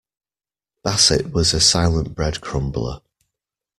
Bassett was a silent bread crumbler.